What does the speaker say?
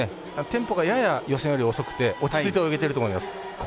テンポがやや予選より遅くて落ち着いて泳げていると思います。